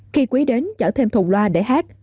khi quý đến chở thêm thùng loa để hát